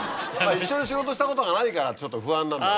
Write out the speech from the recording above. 一緒に仕事したことがないから不安なんだろうね。